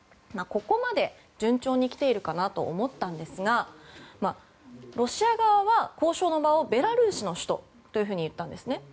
ここまで、順調に来ているかなと思ったんですがロシア側は交渉の場をベラルーシの首都と言ったんですね。